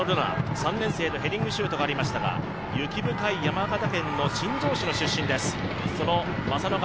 ３年生のヘディングシュートがありましたが、雪深い山形県の新庄市の出身です。